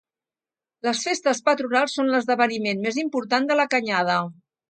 Les festes patronals són l'esdeveniment més important de la Canyada.